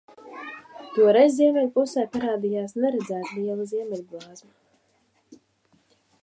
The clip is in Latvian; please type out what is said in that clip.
Toreiz ziemeļu pusē parādījās neredzēti liela ziemeļblāzma.